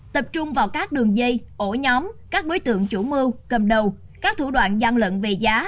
tập trung vào các đường dây ổ nhóm các đối tượng chủ mưu cầm đầu các thủ đoạn gian lận về giá